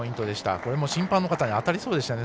これも審判の方に当たりそうでしたね。